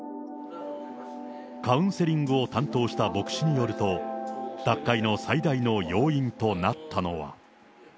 カウンセリングを担当した牧師によると、脱会の最大の要因となったのは。